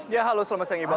ya halo selamat siang ibu